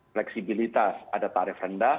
fleksibilitas ada tarif rendah